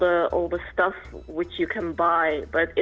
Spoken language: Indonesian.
bukan semua barang yang anda dapat beli